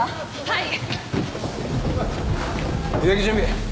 はい。